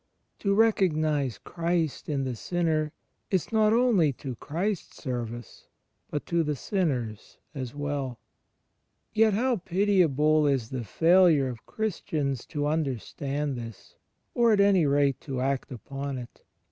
To recognize Christ in the sin ner is not only to Christ's service, but to the sinner's as well. Yet how pitiable is the failure of Christians to under stand this — or, at any rate, to act upon it!